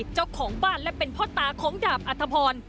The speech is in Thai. เจ้าของบ้านและเป็นพ่อตาของดาบอัธพร